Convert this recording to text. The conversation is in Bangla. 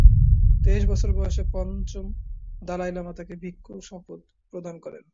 তেইশ বছর বয়সে পঞ্চম দলাই লামা তাকে ভিক্ষুর শপথ প্রদান করেন।